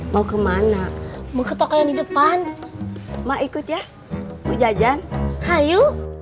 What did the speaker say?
mau kemana mau ke toko yang di depan maikut ya pujajan hayu